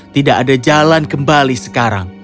tidak ada jalan kembali sekarang